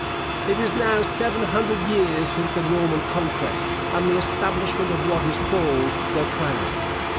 It is now seven hundred years since the Norman conquest, and the establishment of what is called the crown.